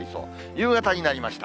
夕方になりました。